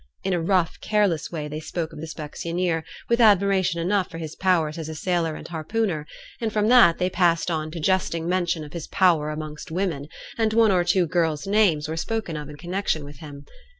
In a rough, careless way they spoke of the specksioneer, with admiration enough for his powers as a sailor and harpooner; and from that they passed on to jesting mention of his power amongst women, and one or two girls' names were spoken of in connection with him.